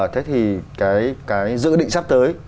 thế thì cái dự định sắp tới